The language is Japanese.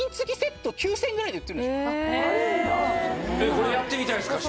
これやってみたいですか？